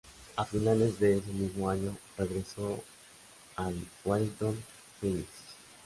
A finales de ese mismo año, regresó al Wellington Phoenix.